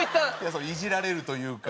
イジられるというか。